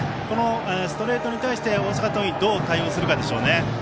このストレートに対して大阪桐蔭どう対応するかでしょうね。